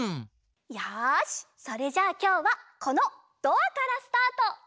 よしそれじゃあきょうはこのドアからスタート。